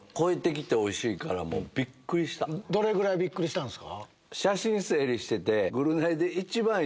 どれぐらいびっくりしたんですか？